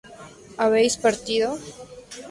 ¿habéis partido?